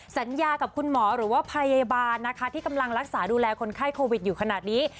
สัญญากับคุณหมอหรือว่าพยาบาลนะคะที่กำลังรักษาดูแลคนไข้โควิดอยู่ขนาดนี้